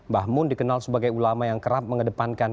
bahmun dikenal sebagai ulama yang kerap mengedepankan